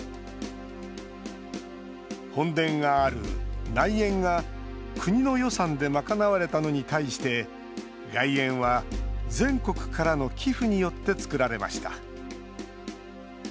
本殿がある内苑が国の予算で賄われたのに対して外苑は全国からの寄付によって造られました。